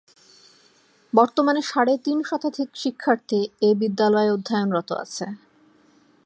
বর্তমানে সাড়ে তিন শতাধিক শিক্ষার্থী এ বিদ্যালয়ে অধ্যয়নরত আছে।